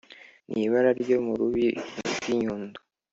n’ibara ryo mu rubi rw’ i nyundo.